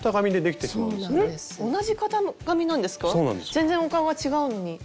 全然お顔が違うのに。